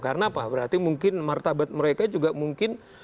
karena apa berarti mungkin martabat mereka juga mungkin